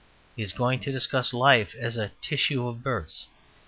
He is going to discuss life as a "tissue of births."